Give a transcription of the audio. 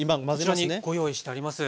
こちらにご用意してあります。